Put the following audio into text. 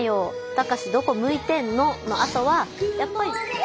「タカシどこ向いてんの」のあとはやっぱり。